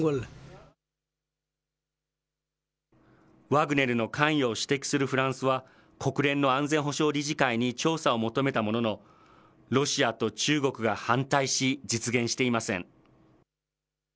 ワグネルの関与を指摘するフランスは、国連の安全保障理事会に調査を求めたものの、ロシアと中国が反対し、実現していません。